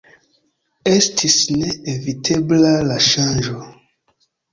Estis ne evitebla la ŝanĝo.